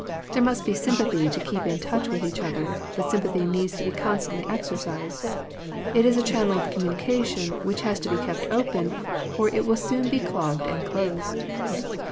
/ There must be sympathy to keep in touch with each other, but sympathy needs to be constantly exercised. It is a channel of communication, which has to be kept open, or it will soon be clogged and closed.